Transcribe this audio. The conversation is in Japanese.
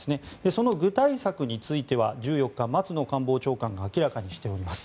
その具体策については１４日松野官房長官が明らかにしております。